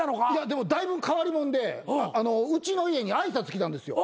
でもだいぶ変わり者でうちの家に挨拶来たんですよ。